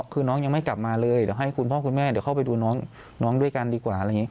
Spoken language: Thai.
คือน้องยังไม่กลับมาเลยให้คุณพ่อคุณแม่เดี๋ยวเข้าไปดูน้องด้วยกันดีกว่า